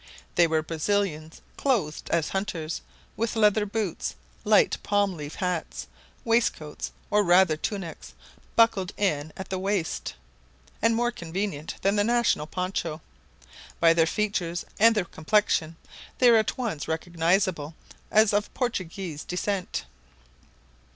They were Brazilians clothed as hunters, with leather boots, light palm leaf hats, waistcoats, or rather tunics, buckled in at the waist, and more convenient than the national poncho. By their features and their complexion they were at once recognizable as of Portuguese descent.